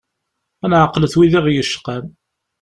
Ad neɛqlet wid i ɣ-yecqan.